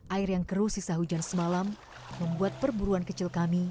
air yang keruh sisa hujan semalam membuat perburuan kecil kami